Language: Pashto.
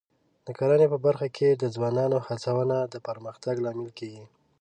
د کرنې په برخه کې د ځوانانو هڅونه د پرمختګ لامل کېږي.